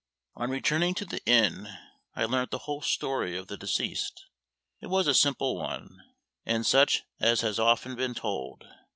On returning to the inn I learnt the whole story of the deceased. It was a simple one, and such as has often been told.